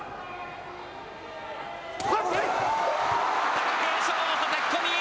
貴景勝、はたき込み。